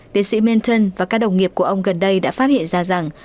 tiến sĩ menton và các đồng nghiệp của ông gần đây đã phát hiện ra rằng